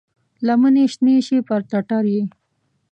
لمنې شنې شي پر ټټر یې،